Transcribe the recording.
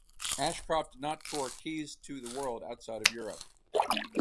Ashcroft did not tour "Keys to the World" outside of Europe.